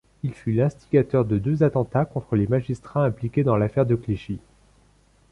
Il fut l'instigateur de deux attentats contre les magistrats impliqués dans l'Affaire de Clichy.